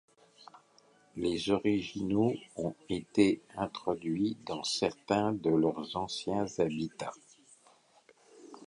Les orignaux ont été réintroduits dans certains de leurs anciens habitats.